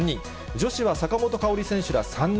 女子は坂本花織選手ら３人。